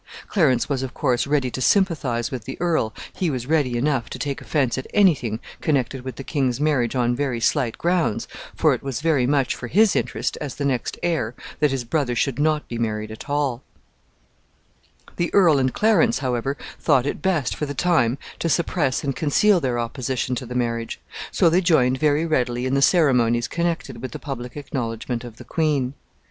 Clarence was, of course, ready to sympathize with the earl. He was ready enough to take offense at any thing connected with the king's marriage on very slight grounds, for it was very much for his interest, as the next heir, that his brother should not be married at all. [Illustration: WESTMINSTER IN TIMES OF PUBLIC CELEBRATIONS.] The earl and Clarence, however, thought it best for the time to suppress and conceal their opposition to the marriage; so they joined very readily in the ceremonies connected with the public acknowledgment of the queen.